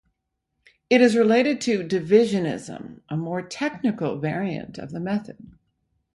It is related to Divisionism, a more technical variant of the method.